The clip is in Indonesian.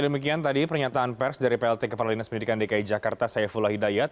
demikian tadi pernyataan pers dari plt kepala dinas pendidikan dki jakarta saifullah hidayat